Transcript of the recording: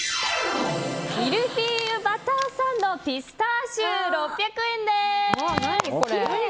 ミルフィーユバターサンドピスターシュ、６００円です。